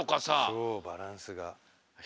そうバランスが。